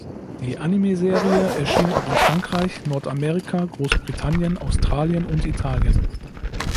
Die Anime-Serie erschien auch in Frankreich, Nordamerika, Großbritannien, Australien und Italien.